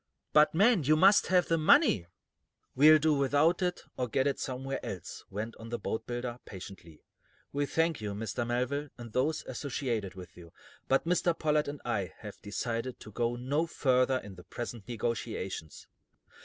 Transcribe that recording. "But, man, you must have the money!" "We'll do without it, or get it somewhere else," went on the boatbuilder, patiently. "We thank you, Mr. Melville, and those associated with you, but Mr. Pollard and I have decided to go no further in the present negotiations."